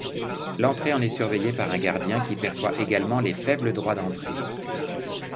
L'entrée en est surveillée par un gardien, qui perçoit également les faibles droits d'entrée.